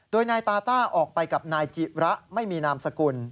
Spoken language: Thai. โดยนายตาต้าออกไปกับนายจิระไม่มีนามสกุล